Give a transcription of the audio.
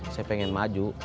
saya pengen maju